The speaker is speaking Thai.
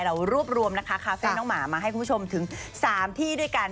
เรารวบรวมนะคะคาเฟ่น้องหมามาให้คุณผู้ชมถึง๓ที่ด้วยกัน